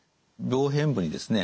病変部にですね